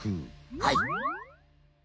はい。